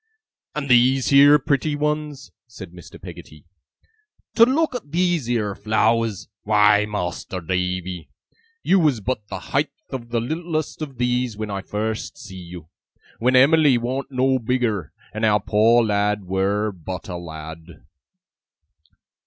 'And these heer pretty ones,' said Mr. Peggotty. 'To look at these heer flowers! Why, Mas'r Davy, you was but the heighth of the littlest of these, when I first see you! When Em'ly warn't no bigger, and our poor lad were BUT a lad!